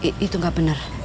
gak itu gak benar